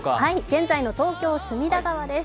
現在の東京・隅田川です。